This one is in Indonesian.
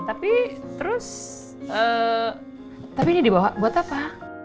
tapi terus tapi ini dibawa buat apa